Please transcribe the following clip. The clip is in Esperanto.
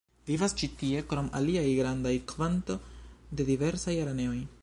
Vivas ĉi tie krom aliaj granda kvanto de diversaj araneoj.